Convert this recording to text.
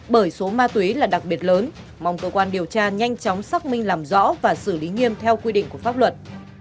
bởi số ma túy là đặc biệt lớn mong cơ quan điều tra nhanh chóng xác minh làm rõ và xử lý nghiêm theo quy định của pháp luật